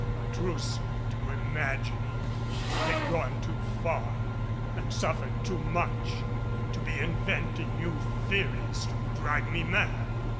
A truce to imagining! I had gone too far, and suffered too much, to be inventing new theories to drive me mad.